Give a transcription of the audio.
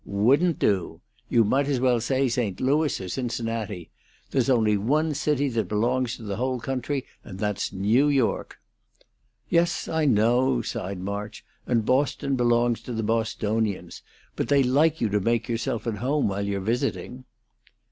"Wouldn't do. You might as well say St. Louis or Cincinnati. There's only one city that belongs to the whole country, and that's New York." "Yes, I know," sighed March; "and Boston belongs to the Bostonians, but they like you to make yourself at home while you're visiting."